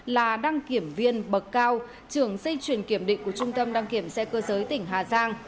là đăng kiểm viên bậc cao trưởng dây chuyển kiểm định của trung tâm đăng kiểm xe cơ giới tỉnh hà giang